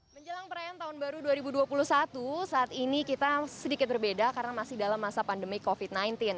menjelang perayaan tahun baru dua ribu dua puluh satu saat ini kita sedikit berbeda karena masih dalam masa pandemi covid sembilan belas